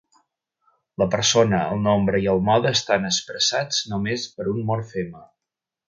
La persona, el nombre i el mode estan expressats només per un morfema.